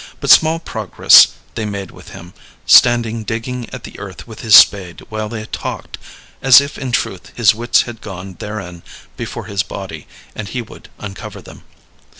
But small progress they made with him, standing digging at the earth with his spade while they talked, as if in truth his wits had gone therein before his body and he would uncover them.